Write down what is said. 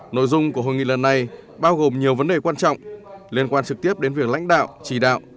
nội dung của hội nghị lần này bao gồm nhiều vấn đề quan trọng liên quan trực tiếp đến việc lãnh đạo chỉ đạo